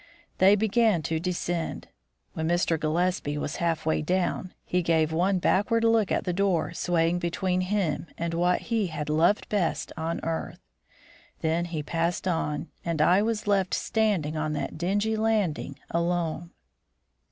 They began to descend. When Mr. Gillespie was half way down, he gave one backward look at the door swaying between him and what he had loved best on earth; then he passed on, and I was left standing on that dingy landing, alone.